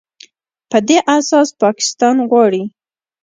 په دې اساس پاکستان غواړي